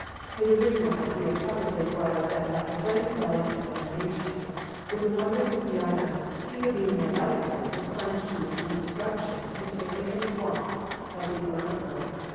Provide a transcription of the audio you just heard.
His original idea probably was that by inflaming Raleigh's imagination with the wonders of Guiana, he would be the more likely to plunge to his own destruction into the fatal swamps of the Orinoco.